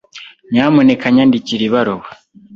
Nyamuneka nyandikira ibaruwa.